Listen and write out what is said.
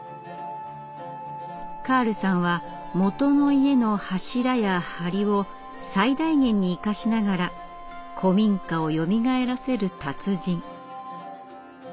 カールさんはもとの家の柱や梁を最大限に生かしながら古民家をよみがえらせる達人。